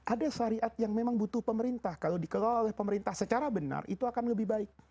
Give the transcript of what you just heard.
ada syariat yang memang butuh pemerintah kalau dikelola oleh pemerintah secara benar itu akan lebih baik